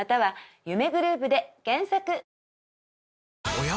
おや？